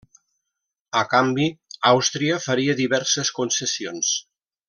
A canvi, Àustria faria diverses concessions.